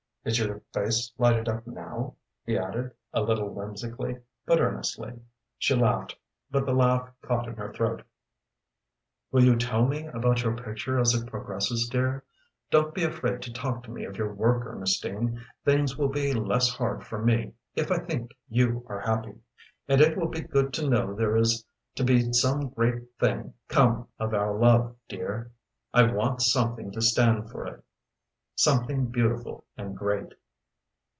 Is your face lighted up now?" he asked, a little whimsically, but earnestly. She laughed, but the laugh caught in her throat. "Will you tell me about your picture as it progresses, dear? Don't be afraid to talk to me of your work, Ernestine. Things will be less hard for me, if I think you are happy. And it will be good to know there is to be some great thing come of our love, dear. I want something to stand for it, something beautiful and great."